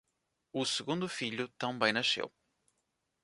O segundo filho também nasceu.